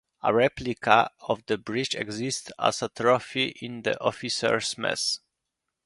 A replica of the bridge exists as a trophy in the officers mess.